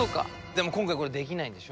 でも今回これできないんでしょ？